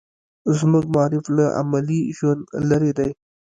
زموږ معارف له عملي ژونده لرې دی.